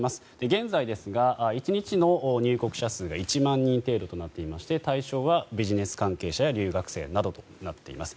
現在ですが１日の入国者数が１万人程度となっていまして対象はビジネス関係者や留学生などとなっています。